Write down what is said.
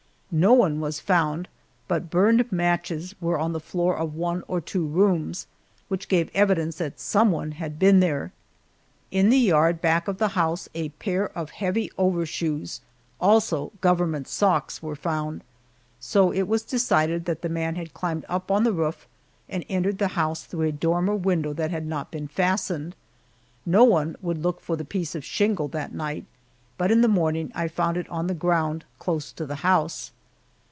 No one was found, but burned matches were on the floor of one or two rooms, which gave evidence that some one had been there. In the yard back of the house a pair of heavy overshoes, also government socks, were found, so it was decided that the man had climbed up on the roof and entered the house through a dormer window that had not been fastened. No one would look for the piece of shingle that night, but in the morning I found it on the ground close to the house.